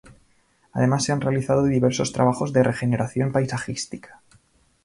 Además, se han realizado diversos trabajos de regeneración paisajística.